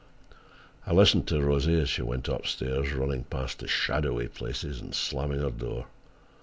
I listened to Rosie as she went up stairs, running past the shadowy places and slamming her door.